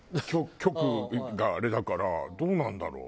局があれだからどうなんだろう？